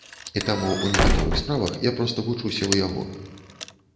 І таму ў некаторых справах я проста вучуся ў яго.